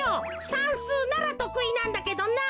さんすうならとくいなんだけどな。